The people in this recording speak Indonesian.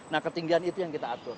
nah ketinggian itu yang kita atur